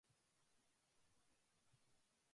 リオグランデ・ド・スル州の州都はポルト・アレグレである